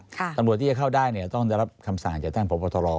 ตำรวจที่จะเข้าได้เนี่ยต้องได้รับคำสั่งจากแท่งประวัติศาสตร์